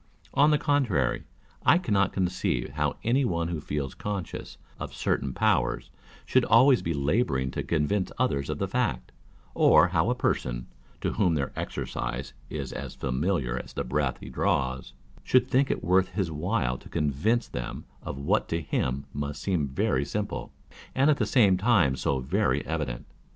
On the contrary, I cannot conceive how any one who feels conscious of certain powers, should always be labouring to convince others of the fact ; or how a person, to whom their exercise is as familiar as the breath he draws, should think it worth his while to convince them of what to him must seem so very simple, and at the same time so very evident.